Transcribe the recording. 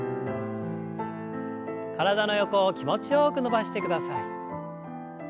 体の横を気持ちよく伸ばしてください。